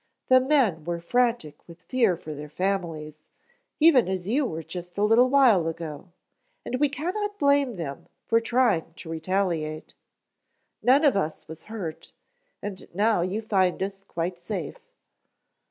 "The men were frantic with fear for their families, even as you were just a little while ago, and we cannot blame them for trying to retaliate. None of us was hurt, and now you find us quite safe."